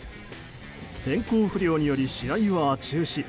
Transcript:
天候不良により試合は中止。